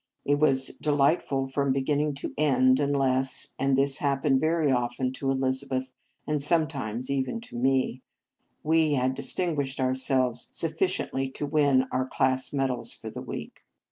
It was delightful from beginning to end, unless and this happened very often to Elizabeth, and sometimes even to me we had dis tinguished ourselves sufficiently to win our class medals for the week.